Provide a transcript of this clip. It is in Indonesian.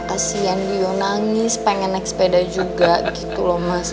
kasian bio nangis pengen naik sepeda juga gitu loh mas